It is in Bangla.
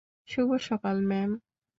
শুভ সকাল, ম্যাম।